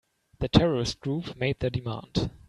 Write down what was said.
The terrorist group made their demand.